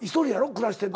暮らしてるのは。